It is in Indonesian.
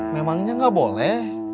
memangnya gak boleh